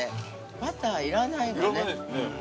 バター要らないわね。